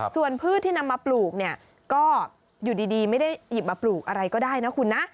ส่วนพืชที่นำมาปลูกเนี่ยก็อยู่ดีไม่ได้หยิบมาปลูกอะไรก็ได้นะคุณนะ